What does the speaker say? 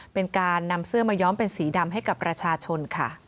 เป็นการนำเสื้อมาย้อมเป็นสีดำให้กับประชาชนค่ะ